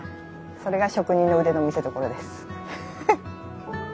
それが職人の腕の見せどころです。